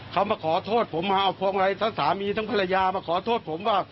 เขามาขอโทษผมมาเอาพวงอะไรทั้งสามีทั้งภรรยามาขอโทษผมว่า